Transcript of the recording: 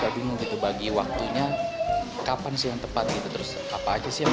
saya bingung gitu bagi waktunya kapan sih yang tepat gitu terus apa aja sih yang